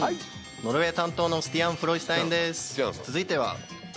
ノルウェー担当のスティアンフロスタインです。